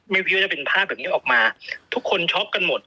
ไม่คิดว่าจะเป็นภาพแบบนี้ออกมาทุกคนช็อกกันหมด